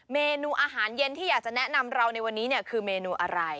เมนูอาหารเย็นที่อยากจะแนะนำเราในวันนี้คือเมนูอะไร